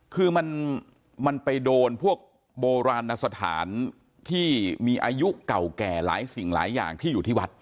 คือมันไปโดนพวกโบราณสถานที่มีอายุเก่าแก่หลายสิ่งหลายอย่างที่อยู่ที่วัด